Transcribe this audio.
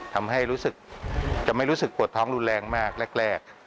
ทำให้รู้สึกจะไม่รู้สึกปวดท้องรุนแรงมากแรก